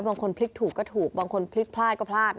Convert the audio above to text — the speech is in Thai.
บางคนพลิกถูกก็ถูกบางคนพลิกพลาดก็พลาด